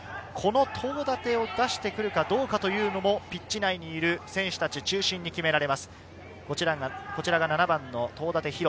東舘を出してくるかどうかというのもピッチ内にいる選手たちを中心に決められます。